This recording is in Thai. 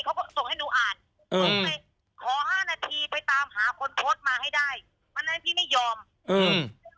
เขาก็ส่งให้หนูอ่านเอืมขอห้านาทีไปตามหาคนมาให้ได้แล้วมันนั้นพี่ไม่ยอมเอืม